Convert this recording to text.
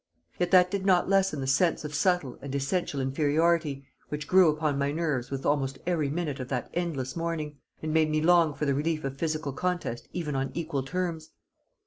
Yet that did not lessen the sense of subtle and essential inferiority, which grew upon my nerves with almost every minute of that endless morning, and made me long for the relief of physical contest even on equal terms.